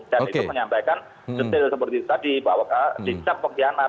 dan itu menyampaikan detail seperti tadi bahwa dicap pengkhianat